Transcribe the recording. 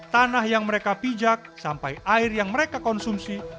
tanah yang mereka pijak sampai air yang mereka konsumsi